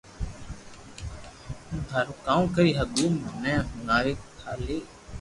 ھون ٿاري ڪاو ڪري ھگو مني ھڻاو کالي